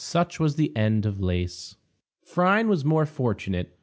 Such was the end of Lais. Phryne was more fortunate.